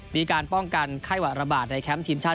มีการป้องกันไข้หวัดระบาดในแคมป์ทีมชาติ